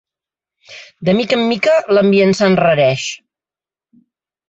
De mica en mica, l'ambient s'enrareix.